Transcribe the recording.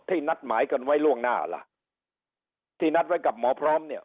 นัดหมายกันไว้ล่วงหน้าล่ะที่นัดไว้กับหมอพร้อมเนี่ย